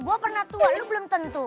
gue pernah tua dulu belum tentu